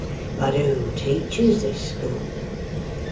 But who teaches this school?